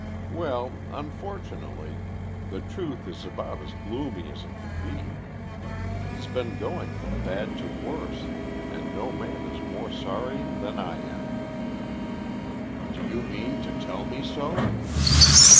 "Well, unfortunately, the truth is about as gloomy as it can be. He's been going from bad to worse, and no man is more sorry than I am." "Do you mean to tell me so?"